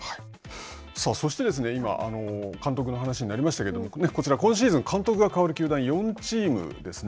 さあ、そして、監督の話になりましたけどこちら今シーズン、監督が変わる球団４チームですね。